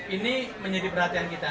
ini menjadi perhatian kita